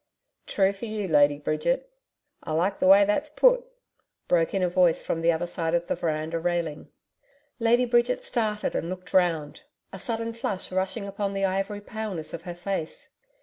'True for you, Lady Bridget. I like the way that's put,' broke in a voice from the other side of the veranda railing. Lady Bridget started and looked round, a sudden flush rushing upon the ivory paleness of her face.